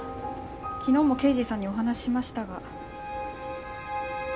昨日も刑事さんにお話ししましたが。